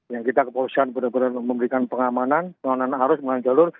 yang kita ke posisi yang benar benar memberikan pengamanan pengamanan arus pengamanan jalur